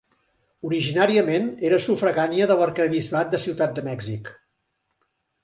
Originàriament era sufragània de l'arquebisbat de Ciutat de Mèxic.